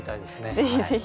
ぜひぜひ。